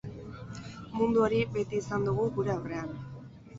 Mundu hori beti izan dugu gure aurrean.